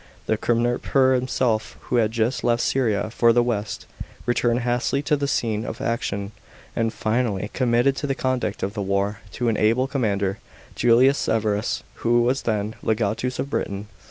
The Krnperor himself, who had just left Syria for the west, returned hastily to the scene of action, and finally committed the conduct of the war to an able commander, Julius Severus, who was then legatus of Britain.